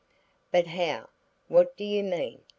"But how? What do you mean?"